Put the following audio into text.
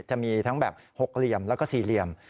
จะมีทั้งแบบ๖เหลี่ยมแล้วก็สี่เหลี่ยม